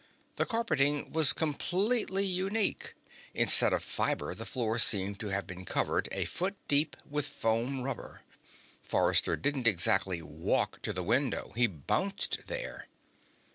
The carpeting was completely unique. Instead of fiber, the floor seemed to have been covered a foot deep with foam rubber. Forrester didn't exactly walk to the window; he bounced there.